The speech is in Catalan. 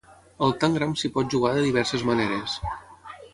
Al Tangram s'hi pot jugar de diverses maneres.